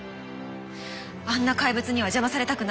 あんな怪物には邪魔されたくない。